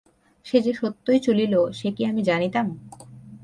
সে যে সত্যই চলিল সে কি আমি জানিতাম!